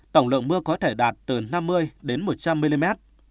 tổng lượng mưa có thể đạt từ năm mươi đến một trăm linh mm